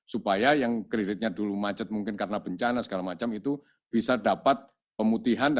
supaya yang kreditnya dulu macet mungkin karena bencana segala macam itu bisa dapat pemutihan